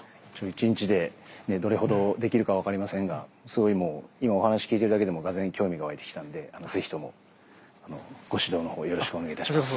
１日でどれほどできるか分かりませんがすごいもう今お話聞いてるだけでもがぜん興味が湧いてきたんでぜひともご指導のほうよろしくお願いいたします。